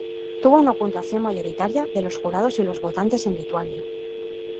Obtuvo una puntuación mayoritaria de los jurados y los votantes en Lituania.